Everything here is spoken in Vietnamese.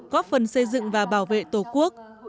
góp phần xây dựng và bảo vệ tổ quốc